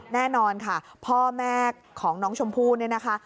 แน่นอนค่ะพ่อแม่ของน้องชมพู่เนี่ยนะคะ